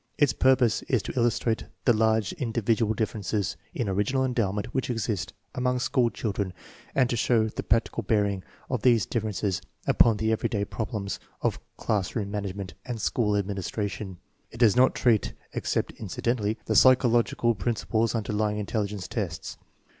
Its purpose is to illustrate the large individual differences in original endowment which exist among school children and to show the practical bearing of these differences upon the everyday problems of class room management and school administration. It does not treat, except incidentally, the psychological prin ciples underlying intelligence tests.